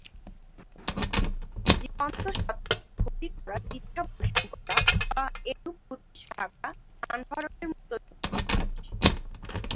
জীবন্তসত্তাকে ক্ষতি করার ইচ্ছাপোষণ করা বা এরূপ উদ্দেশ্য থাকা প্রাণহরণের মতোই পাপকাজ।